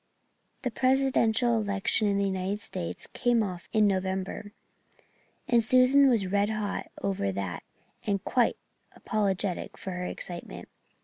The Presidential election in the United States came off in November, and Susan was red hot over that and quite apologetic for her excitement.